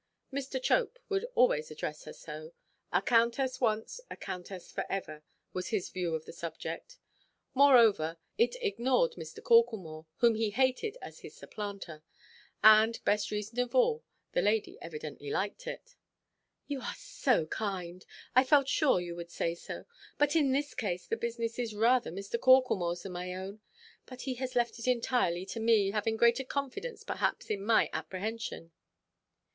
Mr. Chope would always address her so; "a countess once, a countess for ever," was his view of the subject. Moreover, it ignored Mr. Corklemore, whom he hated as his supplanter; and, best reason of all, the lady evidently liked it. "You are so very kind, I felt sure that you would say so. But in this case, the business is rather Mr. Corklemoreʼs than my own. But he has left it entirely to me, having greater confidence, perhaps, in my apprehension."